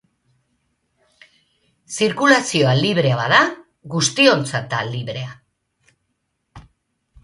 Zirkulazioa librea bada, guztiontzat da librea.